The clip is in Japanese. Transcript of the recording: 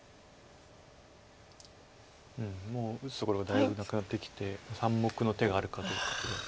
もう打つところがだいぶなくなってきて３目の手があるかどうかっていう。